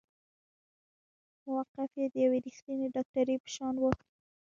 موقف يې د يوې رښتينې ډاکټرې په شان وه.